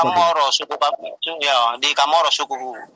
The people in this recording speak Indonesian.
ya di kamoro suku